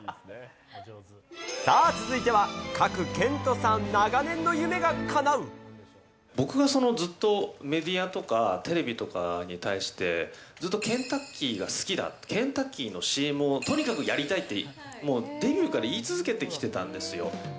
さあ、続いては、賀来賢人さん、僕がそのずっとメディアとか、テレビとかに対して、ずっとケンタッキーが好きだ、ケンタッキーのＣＭをとにかくやりたいって、デビューから言い続けてきてたんですよ。